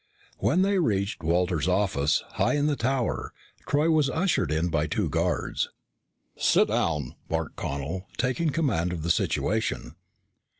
When they reached Walters' office, high in the tower, Troy was ushered in by two guards. "Sit down!" barked Connel, taking command of the situation.